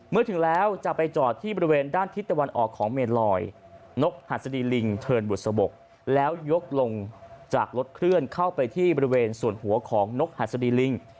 เมื่อถึงแล้วจะไปจอดที่บริเวณด้านทิศตะวันออกของเมลอยนกหัสดีลิงเทินบุษบกแล้วยกลงจากรถเคลื่อนเข้าไปที่บริเวณส่วนหัวของนกหัสดีลิง